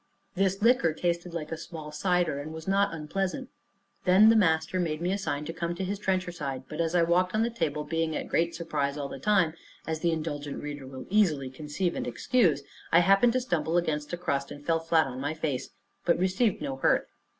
This liquor tasted like a small cider, and was not unpleasant. Then the master made me a sign to come to his trencher side; but as I walked on the table, being at great surprise all the time, as the indulgent reader will easily conceive and excuse, I happened to stumble against a crust, and fell flat on my face, but received no hurt.